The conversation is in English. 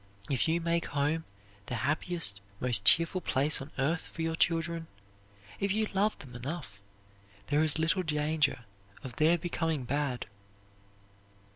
If you make home the happiest, most cheerful place on earth for your children, if you love them enough, there is little danger of their becoming bad.